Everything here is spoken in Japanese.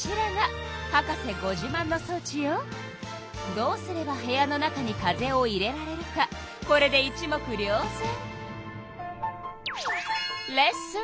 どうすれば部屋の中に風を入れられるかこれで一目りょうぜん。